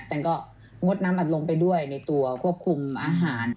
แทนก็งดน้ำอารมณ์ไปด้วยในตัวควบคุมอาหาร